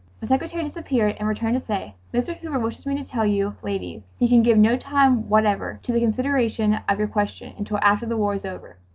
The secretary disappeared and returned to say, "Mr. Hoover wishes me to tell you ladies he can give no time whatever to the consideration of your question until after the war is over.